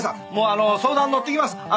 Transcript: もう相談に乗ってきます。